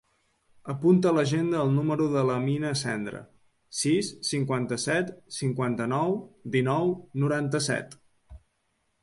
Apunta a l'agenda el número de l'Amina Sendra: sis, cinquanta-set, cinquanta-nou, dinou, noranta-set.